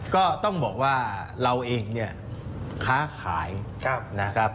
ก็ต้องบอกว่าเราเองเนี่ยค้าขายนะครับ